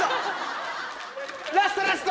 ラストラスト！